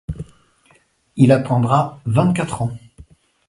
Il attendra vingt-quatre ans.